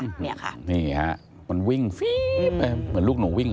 นี่ค่ะมันวิ่งฟี๊บเหมือนลูกหนูวิ่ง